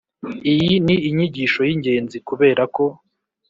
Iyi ni inyigisho y'ingenzi kuberako,